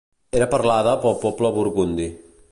Era parlada pel poble burgundi.